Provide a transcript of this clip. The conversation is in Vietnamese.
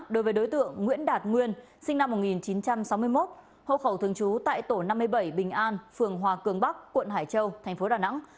đối với đối tượng nguyễn đạt nguyên sinh năm một nghìn chín trăm sáu mươi một hộ khẩu thường trú tại tổ năm mươi bảy bình an phường hòa cường bắc quận hải châu thành phố đà nẵng